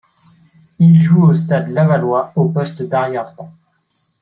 Il joue au Stade lavallois au poste d'arrière droit.